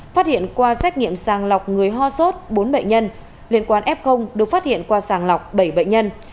phát hiện qua xét nghiệm sàng lọc người ho sốt bốn bệnh nhân liên quan f được phát hiện qua sàng lọc bảy bệnh nhân